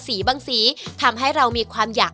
บางสีทำให้เรามีความอยาก